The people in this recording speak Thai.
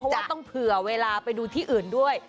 เพราะว่าต้องเผื่อเวลาไปดูที่อื่นด้วย